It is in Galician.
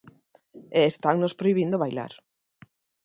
E estannos prohibindo bailar.